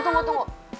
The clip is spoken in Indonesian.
tunggu tunggu tunggu